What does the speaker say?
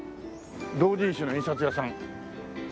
同人誌の印刷屋さん。